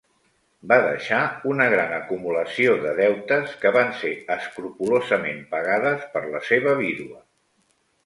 Va deixar una gran acumulació de deutes, que van ser escrupolosament pagades per la seva vídua.